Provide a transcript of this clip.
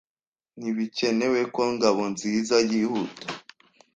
Ntibikenewe ko Ngabonzizayihuta.